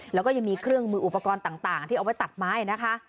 แล้วก็ยังมีเครื่องมืออุปกรณ์ต่างที่เอาไว้ตัดไม้นะคะ